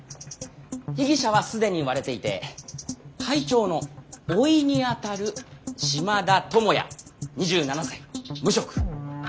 被疑者は既に割れていて会長の甥にあたる島田友也２７歳無職。